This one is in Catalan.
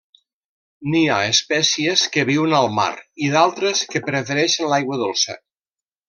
N'hi ha espècies que viuen al mar i d'altres que prefereixen l'aigua dolça.